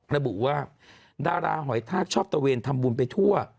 ระบุว่าดาราหอยทากชอบตะเวนทำบุญไปทั่ว